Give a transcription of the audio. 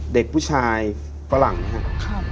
เด็กผู้ชายฝรั่งนะครับ